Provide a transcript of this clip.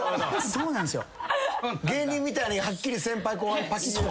そうなんですよ。